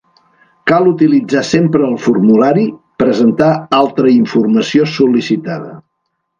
Cal utilitzar sempre el formulari "presentar altra informació sol·licitada".